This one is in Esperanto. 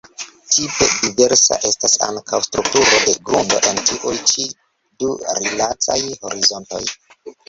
Tipe diversa estas ankaŭ strukturo de grundo en tiuj ĉi du rilataj horizontoj.